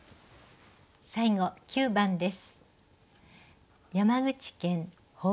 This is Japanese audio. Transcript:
最後９番です。